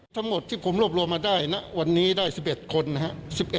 ทั้งหมดที่ผมรวบรวมมาได้ณวันนี้ได้๑๑คนนะครับ